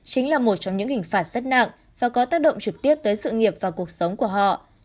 chính là một trong những hình phạt rất nặng và có tác động trực tiếp tới sự nghiệp và cuộc sống của họ